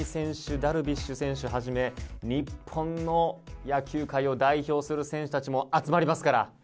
ダルビッシュ選手はじめ日本の野球界を代表する選手たちも集まりますから。